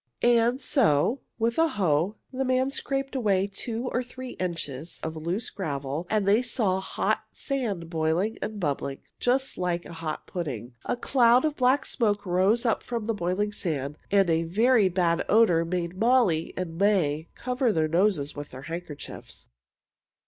And so, with a hoe, the man scraped away two or three inches of loose gravel, and there they saw hot sand boiling and bubbling just like a hot pudding. A cloud of black smoke rose from the boiling sand, and a very bad odor made Molly and May cover their noses with their handkerchiefs.